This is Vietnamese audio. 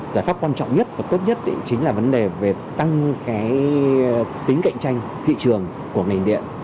giải pháp quan trọng nhất và tốt nhất chính là vấn đề về tăng tính cạnh tranh thị trường của ngành điện